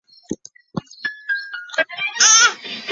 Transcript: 本作的背景为系列首次设定于第一次世界大战。